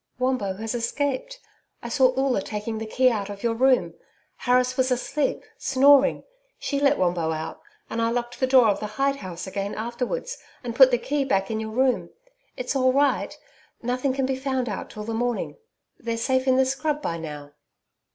'Wombo has escaped I saw Oola taking the key out of your room. Harris was asleep snoring. She let Wombo out, and I locked the door of the hide house again afterwards, and put the key back in your room. It's all right nothing can be found out till the morning. They're safe in the scrub by now.'